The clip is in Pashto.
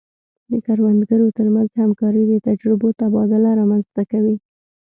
د کروندګرو ترمنځ همکاري د تجربو تبادله رامنځته کوي.